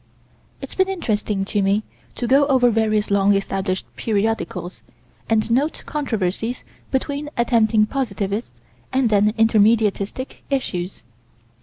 It's been interesting to me to go over various long established periodicals and note controversies between attempting positivists and then intermediatistic issues.